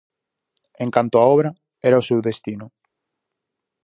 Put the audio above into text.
En canto á obra, era o seu destino.